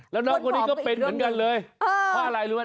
แล้วน้องคนนี้ก็เป็นเหมือนกันเลย